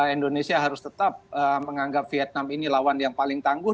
indonesia harus tetap menganggap vietnam ini lawan yang paling tangguh